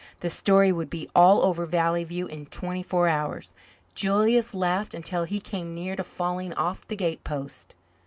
The story would be all over Valley View in twenty four hours. Julius laughed until he came near to falling off the gatepost.